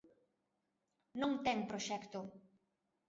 Non ten proxecto.